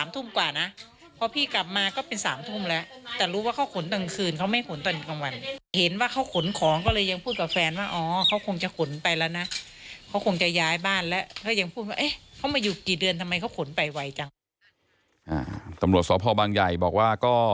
ตำรวจสตพวังไยบอกว่า